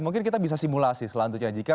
mungkin kita bisa simulasi selanjutnya jika